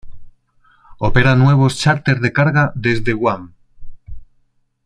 Opera vuelos chárter de carga desde Guam.